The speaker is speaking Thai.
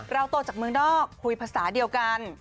เราโตจากเมืองนอกคุยภาษาเดียวกัน